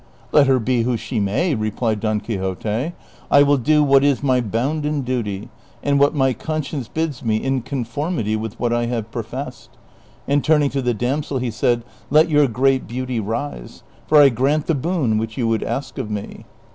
" Let her be who she may," replied Don Quixote, " I will do what is my bounden duty, and what my conscience bids me, in conformity with what I have professed ;" and turning to the dainsel he said, " Let your great beauty rise, for I grant the boon which you would ask of me."